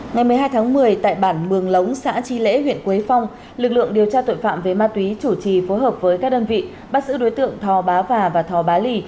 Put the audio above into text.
ngày một mươi hai tháng một mươi tại bản mường lống xã tri lễ huyện quế phong lực lượng điều tra tội phạm về ma túy chủ trì phối hợp với các đơn vị bắt giữ đối tượng thò bá và và thò bá lì